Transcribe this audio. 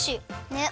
ねっ！